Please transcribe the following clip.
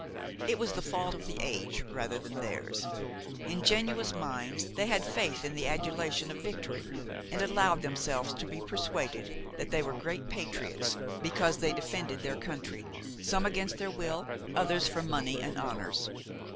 It was the fault of the age rather than theirs. Ingenuous minds, they had faith in the adulation of victory, and allowed themselves to be persuaded that they were great patriots because they defended their country–some against their will, others for money and honors.